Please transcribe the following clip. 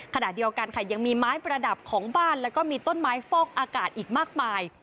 ขณะเดียวกันค่ะยังมีไม้ประดับของบ้านแล้วก็มีต้นไม้ฟอกอากาศอีกมากมาย